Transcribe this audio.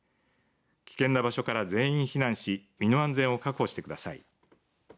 危険な場所から全員避難し身の安全を確保してください。